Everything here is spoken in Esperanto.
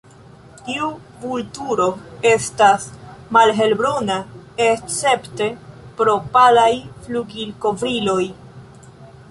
Tiu vulturo estas malhelbruna escepte pro palaj flugilkovriloj.